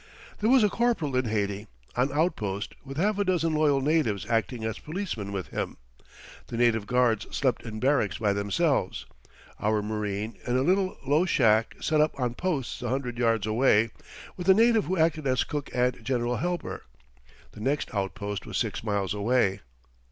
There was a corporal in Haiti, on outpost, with half a dozen loyal natives acting as policemen with him. The native guards slept in barracks by themselves; our marine in a little low shack set up on posts a hundred yards away, with a native who acted as cook and general helper. The next outpost was six miles away.